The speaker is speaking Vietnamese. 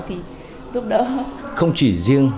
thì giúp đỡ không chỉ riêng